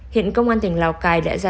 hiện công an tỉnh lào cai đã ra